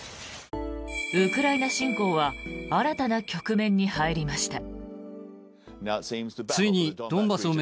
ウクライナ侵攻は新たな局面に入りました。